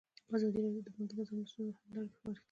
ازادي راډیو د بانکي نظام د ستونزو حل لارې سپارښتنې کړي.